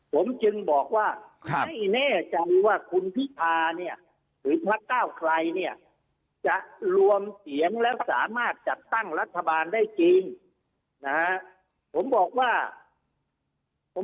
ผมจึงบอกว่าไม่แน่ใจว่าคุณพิษาร์นี้หรือพระเก้าใครเนี่ยจะรวมเสียงและสามารถจัดตั้งหลักบาลได้จริงผมบอกว่าผม